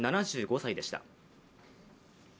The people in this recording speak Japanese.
７５歳でした。